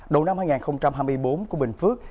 đầu năm hai nghìn hai mươi bốn của bình phước